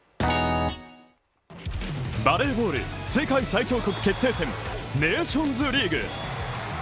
バレーボール世界最強国決定戦、ネーションズリーグ。